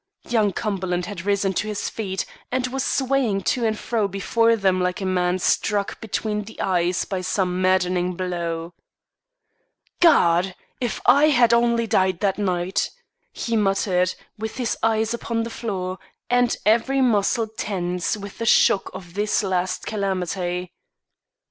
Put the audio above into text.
Young Cumberland had risen to his feet and was swaying to and fro before them like a man struck between the eyes by some maddening blow. "God! if I had only died that night!" he muttered, with his eyes upon the floor and every muscle tense with the shock of this last calamity.